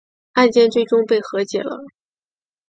案件最终被和解了。